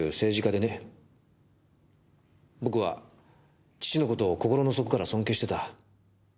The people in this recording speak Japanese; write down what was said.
僕は父の事を心の底から尊敬してた。